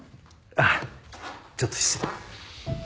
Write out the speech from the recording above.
あっちょっと失礼。